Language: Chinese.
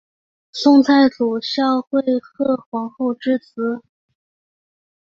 宋太祖孝惠贺皇后之侄。